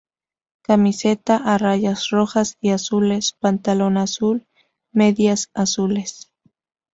Camiseta a rayas rojas y azules, pantalón azul, medias azules.